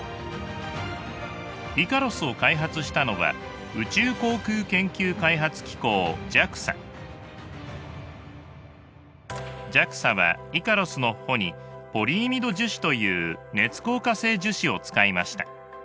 イカロスを開発したのはＪＡＸＡはイカロスの帆にポリイミド樹脂という熱硬化性樹脂を使いました。